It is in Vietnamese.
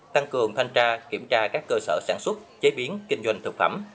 tăng cường thanh tra kiểm tra các cơ sở sản xuất chế biến kinh doanh thực phẩm